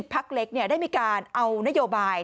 พักเล็กได้มีการเอานโยบาย